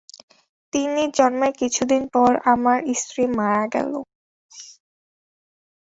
তিন্নির জন্মের কিছু দিন পর আমার স্ত্রী মারা গেল।